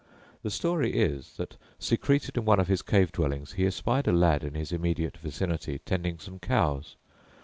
The story is that, secreted in one of his cave dwellings, he espied a lad in his immediate vicinity tending some cows.